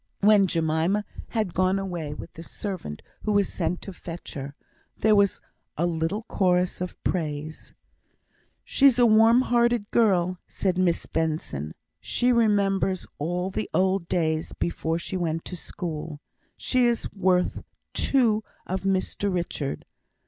When Jemima had gone away with the servant who was sent to fetch her, there was a little chorus of praise. "She's a warm hearted girl," said Miss Benson. "She remembers all the old days before she went to school. She is worth two of Mr Richard.